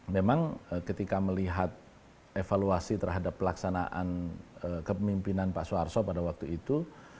memang ketika melihat evaluasi terhadap pelaksanaan kepemimpinan pak soeharto pada waktu itu